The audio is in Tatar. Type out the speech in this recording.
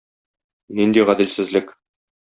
Нинди гаделсезлек!